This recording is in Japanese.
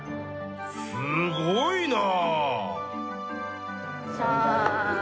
すごいな！